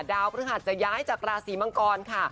ดาวพระธรรมจะย้ายจากราศีมังกรค่ะ